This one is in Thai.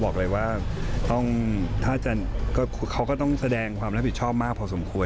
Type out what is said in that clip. เขาก็ต้องแสดงความรับผิดชอบมากพอสมควร